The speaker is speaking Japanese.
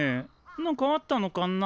何かあったのかな？